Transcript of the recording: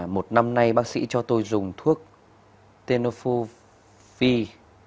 một năm nay bác sĩ cho tôi dùng thuốc tenofovir